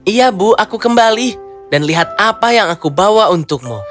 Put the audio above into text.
iya bu aku kembali dan lihat apa yang aku bawa untukmu